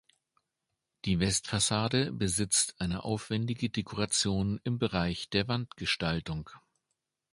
Die Westfassade besitzt eine aufwendige Dekoration im Bereich der Wandgestaltung.